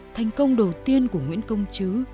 thành công đầu tiên của nguyễn công chứ